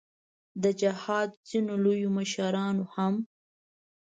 د جهاد ځینو لویو مشرانو هم.